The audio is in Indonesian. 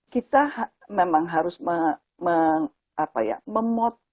kita memang harus memot